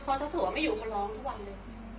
คือถ้าไม่อยู่เขาร้องทุกวันเลย